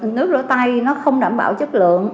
nước rửa tay nó không đảm bảo chất lượng